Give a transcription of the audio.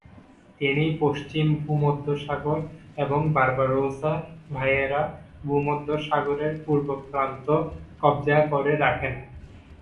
তিনি পশ্চিম ভূমধ্যসাগর এবং বারবারোসা ভাইয়েরা ভূমধ্যসাগরের পূর্ব প্রান্ত কব্জা করে রাখেন।